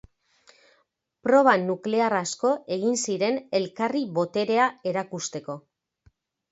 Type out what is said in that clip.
Proba nuklear asko egin ziren elkarri boterea erakusteko.